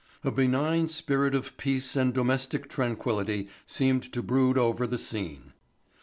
A benign spirit of peace and domestic tranquility seemed to brood over the scene.